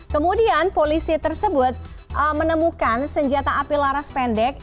kemudian polisi tersebut menemukan senjata api laras pendek